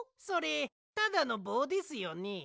それただのぼうですよね？